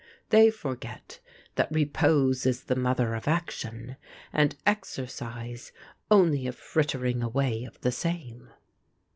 They forget that repose is the mother of action, and exercise only a frittering away of the same."